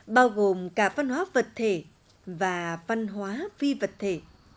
bao gồm cả văn hóa vật thể và văn hóa phi vật thể